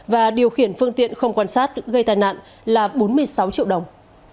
và điều khiển phương tiện không quan sát gây tài nạn là bốn mươi sáu triệu đồng